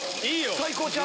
最高ちゃう？